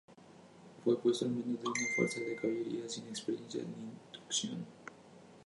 Fue puesto al mando de una fuerza de caballería sin experiencia ni instrucción.